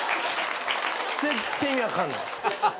全然意味分かんない。